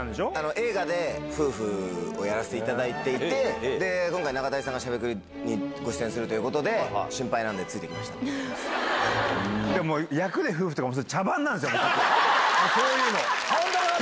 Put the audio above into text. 映画で夫婦をやらせていただいていて、今回、中谷さんがしゃべくりにご出演するということで、役で夫婦とか茶番なんですよ、そういうの。